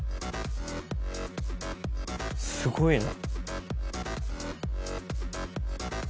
すごいな。